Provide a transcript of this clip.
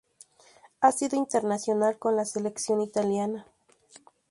Ha sido internacional con la Selección italiana.